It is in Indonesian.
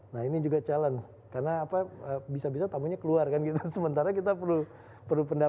nah ini juga challenge karena bisa bisa tamunya keluar kan sementara kita perlu pendapatannya